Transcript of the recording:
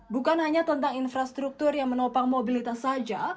bukan hanya tentang infrastruktur yang menopang mobilitas saja